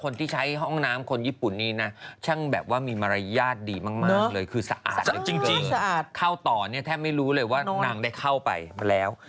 เนี้ยควรดูได้ซื้อมากเลยคือสะอาดจริงเข้าต่อนี้แทบไม่รู้เลยว่านางได้เข้าไปแล้ว